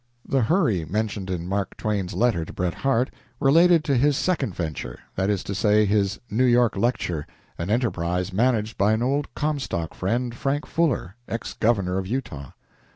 The "hurry" mentioned in Mark Twain's letter to Bret Harte related to his second venture that is to say, his New York lecture, an enterprise managed by an old Comstock friend, Frank Fuller, ex Governor of Utah.